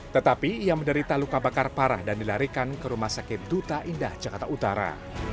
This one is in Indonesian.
tetapi ia menderita luka bakar parah dan dilarikan ke rumah sakit duta indah jakarta utara